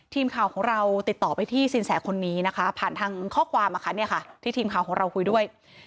ทีมข่าวของเราติดต่อไปที่สินแสคนนี้นะคะผ่านทางข้อความที่ทีมข่าวของเราคุยด้วย